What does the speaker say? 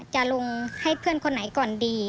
จะลงให้เพื่อนคนไหนก่อนดี